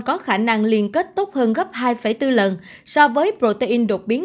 có khả năng liên kết tốt hơn gấp hai bốn lần so với protein đột biến